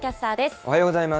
おはようございます。